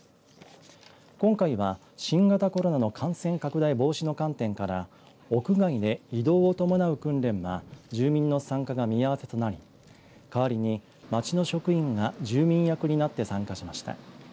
今回は新型コロナの感染拡大防止の観点から屋外で移動を伴う訓練は住民の参加が見合わせとなり代わりに町の職員が住民役になって参加しました。